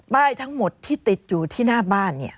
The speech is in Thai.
ป้ายทั้งหมดที่ติดอยู่ที่หน้าบ้าน